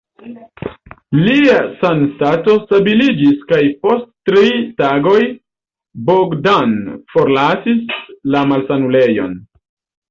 Lia sanstato stabiliĝis kaj post tri tagoj Bogdan forlasis la malsanulejon.